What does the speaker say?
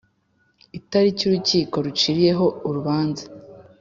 itariki urukiko ruciriyeho urubanza